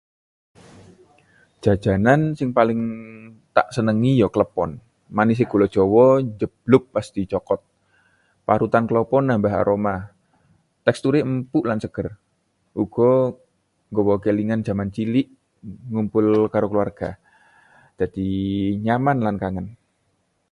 Jajanan sing paling tak senengi ya klepon. Manise gula jawa njeblug pas dicokot, parutan klapa nambah aroma, teksture empuk lan seger. Uga nggawa kelingan jaman cilik ngumpul karo keluarga, dadi nyaman lan kangen.